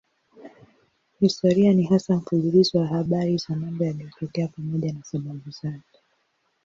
Historia ni hasa mfululizo wa habari za mambo yaliyotokea pamoja na sababu zake.